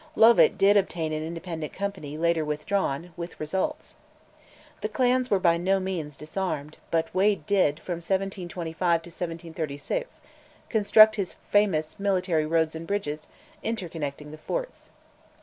Lovat did obtain an independent company, later withdrawn with results. The clans were by no means disarmed, but Wade did, from 1725 to 1736, construct his famous military roads and bridges, interconnecting the forts.